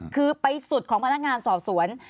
คือไปสุดของพนักงานสอบสวน